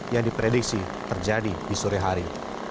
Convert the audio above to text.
yang diprediksi terjadi di sore hari